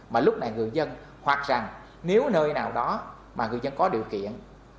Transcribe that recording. mà lúc này người dân hoặc rằng nếu nơi nào đó mà người dân có điều kiện